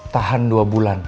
tahan dua bulan